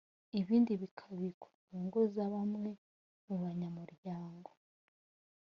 ibindi bikabikwa mu ngo za bamwe mu banyamuryango